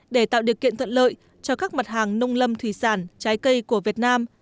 để tạo điều kiện thuận lợi cho các mặt hàng nông lâm thủy sản trái cây của việt nam